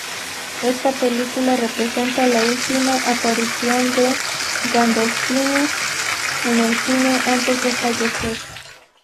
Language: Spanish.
Esta película representa la última aparición de Gandolfini en el cine antes de fallecer.